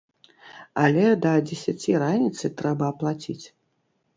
Але да дзесяці раніцы трэба аплаціць!